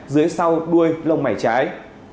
dưới sau đuôi lông mày trái